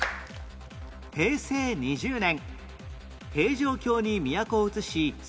平成２０年